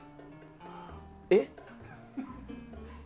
えっ？